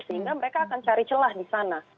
sehingga mereka akan cari celah di sana